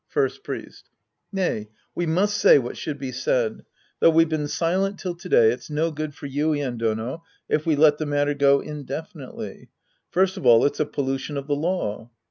First Priest. Nay, we must say what should be said. Though we've been silent till to day, it's no good for Yuien Dono if we let the matter go indefi nitely. First of all it's a pollution of the law.